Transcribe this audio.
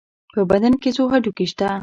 په بدن کې څو هډوکي شته؟